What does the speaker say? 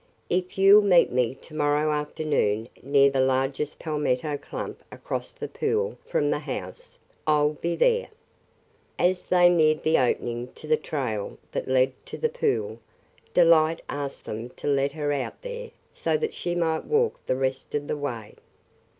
"If you 'll meet me to morrow afternoon near the largest palmetto clump across the pool from the house, I 'll be there." As they neared the opening to the trail that led to the pool, Delight asked them to let her out there so that she might walk the rest of the way.